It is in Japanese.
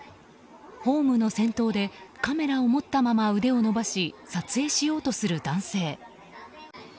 ホームの先頭でカメラを持ったまま腕を伸ばし撮影しようとする男性。